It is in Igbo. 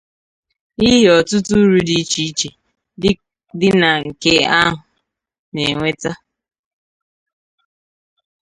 n'ihi ọtụtụ uru dị icheiche dị na nke ahụ na-eweta.